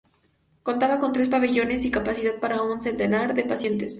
Contaba con tres pabellones y capacidad para un centenar de pacientes.